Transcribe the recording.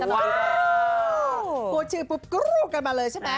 พูดชื่อปุ๊บกรูกันมาเลยใช่ไหม